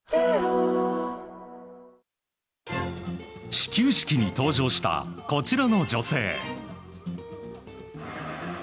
始球式に登場したこちらの女性。